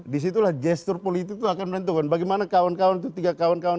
disitulah gestur politik itu akan menentukan bagaimana kawan kawan itu tiga kawan kawan